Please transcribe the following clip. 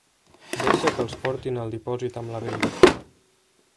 Deixa que els portin al dipòsit amb la vella.